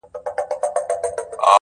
کرۍ ورځ به کړېدی د زوی له غمه؛